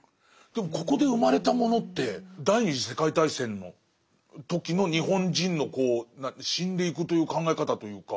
でもここで生まれたものって第二次世界大戦の時の日本人のこう死んでいくという考え方というか。